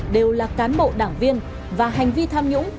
đều là cán bộ đảng viên và hành vi tham nhũng